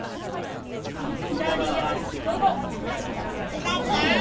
左足。